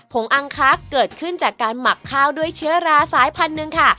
งอังคักเกิดขึ้นจากการหมักข้าวด้วยเชื้อราสายพันธุ์หนึ่งค่ะ